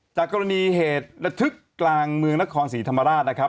จากกรณีเหตุระทึกกลางเมืองนครศรีธรรมราชนะครับ